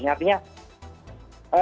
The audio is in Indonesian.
kalau ini ada lethal dosis